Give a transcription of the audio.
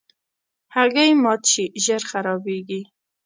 هګۍ مات شي، ژر خرابیږي.